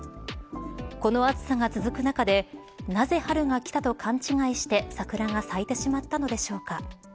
この暑さが続く中でなぜ、春が来たと勘違いして桜が咲いてしまったのでしょうか。